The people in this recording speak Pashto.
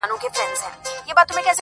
پښتو او پښتانه دې تل ژوندي وي 🇦🇫